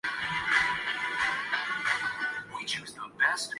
شکست کو فتح میں بدلنے کا ہنر انہیں دوسرے باکسروں سے منفرد بناتا ہے